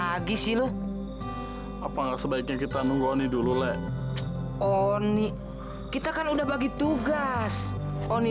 aduh apaan lagi sih lu apa nggak sebaiknya kita nunggu dulu leh oni kita kan udah bagi tugas oni